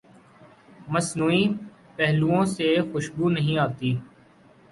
مصنوعی پھولوں سے خوشبو نہیں آتی۔